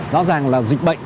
rõ ràng là dịch bệnh